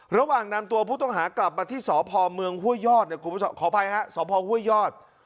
ระหว่างนำตัวผู้ต้องหากลับมาที่สพเมืองห้วยยอดขออภัยครับสพห้วยยอด